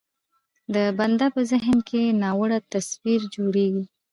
د بنده په ذهن کې ناوړه تصویر جوړېږي.